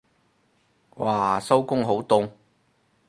嘩收工好凍